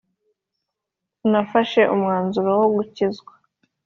Nafashe umwanzuro wo gukizwa